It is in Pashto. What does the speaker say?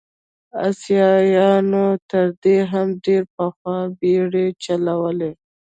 اسیایانو تر دې هم ډېر پخوا بېړۍ چلولې.